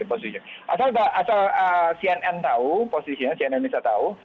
asal cnn tahu posisinya cnn indonesia tahu